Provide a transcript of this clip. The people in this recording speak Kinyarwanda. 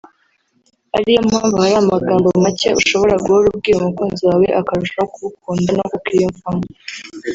ari yo mpamvu hari amagambo make ushobora guhora ubwira umukunzi wawe akarushaho kugukunda no kukwiyumvamo